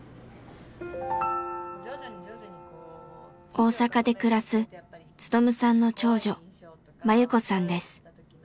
大阪で暮らす勉さんの長女真由子さんです。